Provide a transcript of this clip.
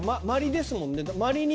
まりですもんね。